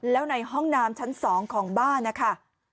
แล้วในห้องน้ำชั้น๒ของบ้านนะคะ